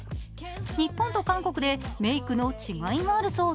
日本と韓国でメイクの違いがあるそうで